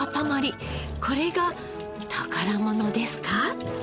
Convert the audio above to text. これが宝物ですか？